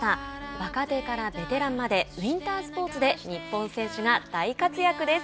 若手からベテランまでウインタースポーツで日本選手が大活躍です。